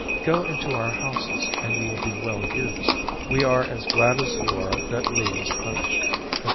Go into our houses and you will be well used. We are as glad as you are that Lee was punished," etc.